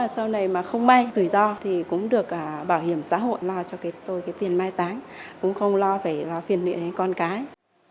sau này mà không may rủi ro thì cũng được bảo hiểm xã hội lo cho tôi cái tiền mai táng cũng không lo phải phiền luyện con cái